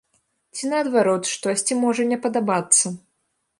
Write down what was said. Ці наадварот, штосьці можа не падабацца.